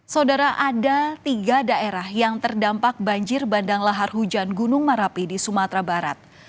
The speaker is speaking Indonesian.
saudara ada tiga daerah yang terdampak banjir bandang lahar hujan gunung merapi di sumatera barat